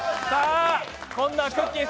今度はくっきー！